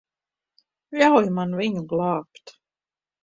Ļauj man viņu glābt.